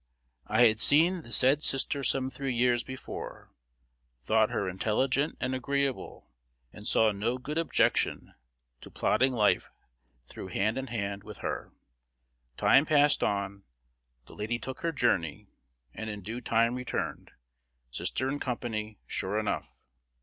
I had seen the said sister some three years before, thought her inteligent and agreeable, and saw no good objection to plodding life through hand in hand with her. Time passed on, the lady took her journey, and in due time returned, sister in company, sure enough.